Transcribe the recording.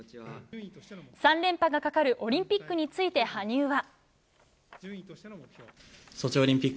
３連覇がかかるオリンピックについて羽生は。